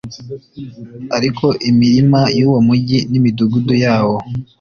ariko imirima y'uwo mugi n'imidugudu yawo